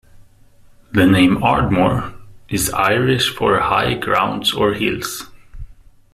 The name "Ardmore" is Irish for high grounds or hills.